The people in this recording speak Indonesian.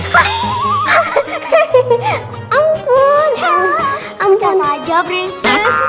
selamat datang di armada perices airways